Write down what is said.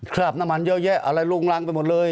คราบน้ำมันเยอะแยะอะไรลงรังไปหมดเลย